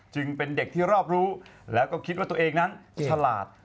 เป็นเด็กที่รอบรู้แล้วก็คิดว่าตัวเองนั้นฉลาด